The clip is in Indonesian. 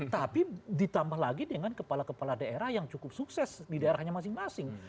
tapi ditambah lagi dengan kepala kepala daerah yang cukup sukses di daerahnya masing masing